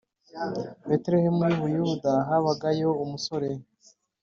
Betelehemu y i Buyuda habagayo umusore